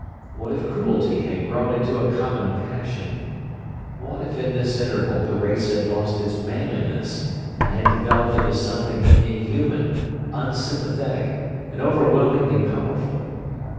What if cruelty had grown into a common passion? What if in this interval the race had lost its manliness, and had developed into something inhuman, unsympathetic, and overwhelmingly powerful?